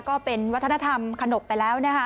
ก็เป็นวัฒนธรรมขนบไปแล้วนะคะ